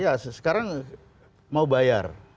iya sekarang mau bayar